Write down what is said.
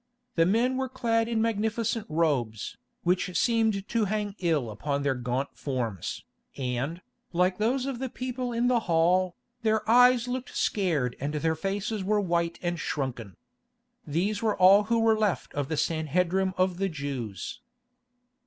The men were clad in magnificent robes, which seemed to hang ill upon their gaunt forms, and, like those of the people in the hall, their eyes looked scared and their faces were white and shrunken. These were all who were left of the Sanhedrim of the Jews.